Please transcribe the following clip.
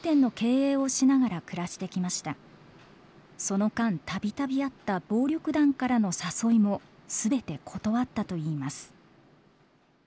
その間度々あった暴力団からの誘いも全て断ったといいます。